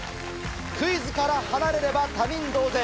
クイズから離れれば他人同然。